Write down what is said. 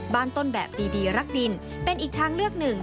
ต้นแบบดีรักดินเป็นอีกทางเลือกหนึ่ง